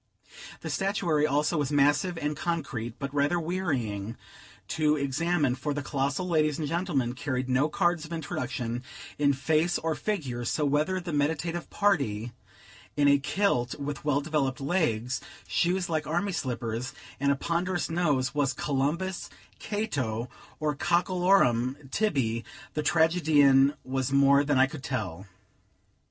The statuary also was massive and concrete, but rather wearying to examine; for the colossal ladies and gentlemen, carried no cards of introduction in face or figure; so, whether the meditative party in a kilt, with well developed legs, shoes like army slippers, and a ponderous nose, was Columbus, Cato, or Cockelorum Tibby, the tragedian, was more than I could tell.